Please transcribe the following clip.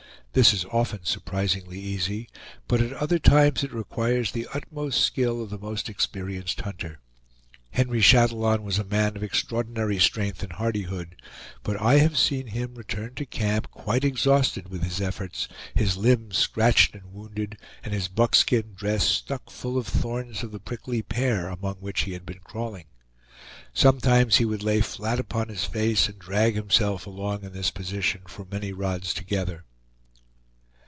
This is often surprisingly easy; but at other times it requires the utmost skill of the most experienced hunter. Henry Chatillon was a man of extraordinary strength and hardihood; but I have seen him return to camp quite exhausted with his efforts, his limbs scratched and wounded, and his buckskin dress stuck full of the thorns of the prickly pear among which he had been crawling. Sometimes he would lay flat upon his face, and drag himself along in this position for many rods together.